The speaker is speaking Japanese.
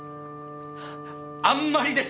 あんまりです！